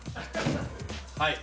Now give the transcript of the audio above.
はい。